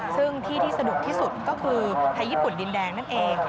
ซึ่งที่ที่สนุกที่สุดก็คือไทยญี่ปุ่นดินแดงนั่นเอง